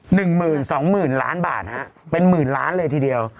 ๑หมื่น๒หมื่นล้านบาทครับเป็นหมื่นล้านเลยทีเดียว